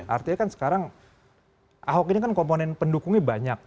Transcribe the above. artinya kan sekarang ahok ini kan komponen pendukungnya banyak